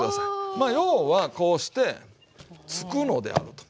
まあ要はこうしてつくのであると。